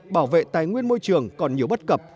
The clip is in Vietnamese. bảo vệ tài nguyên môi trường còn nhiều bất cập